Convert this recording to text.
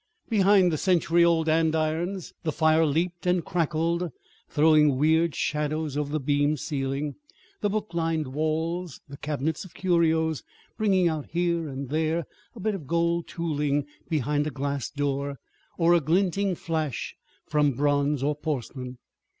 Behind the century old andirons, the fire leaped and crackled, throwing weird shadows over the beamed ceiling, the book lined walls, the cabinets of curios, bringing out here and there a bit of gold tooling behind a glass door or a glinting flash from bronze or porcelain.